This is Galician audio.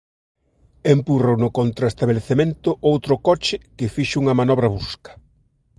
Empurrouno contra o establecemento outro coche que fixo unha manobra brusca.